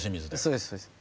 そうですそうです。